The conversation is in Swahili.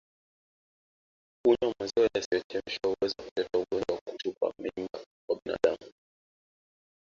Kunywa maziwa yasiyochemshwa huweza kuleta ugonjwa wa kutupa mimba kwa binadamu